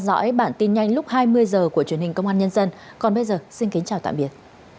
theo dõi bản tin nhanh lúc hai mươi h của truyền hình công an nhân dân còn bây giờ xin kính chào tạm biệt